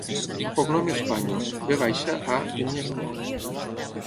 El cognom és Vaño: ve baixa, a, enya, o.